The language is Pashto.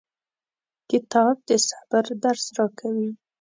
کتاب د صبر درس راکوي.